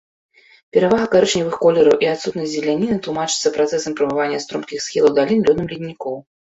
Перавага карычневых колераў і адсутнасць зеляніны тлумачыцца працэсам прамывання стромкіх схілаў далін лёдам леднікоў.